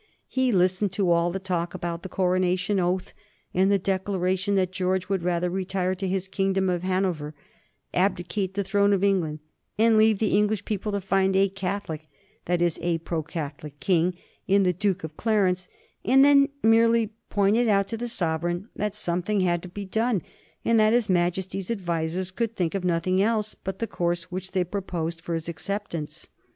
He listened to all the talk about the coronation oath and the declaration that George would rather retire to his kingdom of Hanover, abdicate the throne of England, and leave the English people to find a Catholic that is, a pro Catholic king in the Duke of Clarence, and then merely pointed out to the sovereign that something had to be done, and that his Majesty's advisers could think of nothing else but the course which they proposed for his acceptance.